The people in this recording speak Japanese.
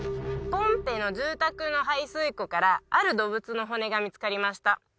ポンペイの住宅の排水溝からある動物の骨が見つかりました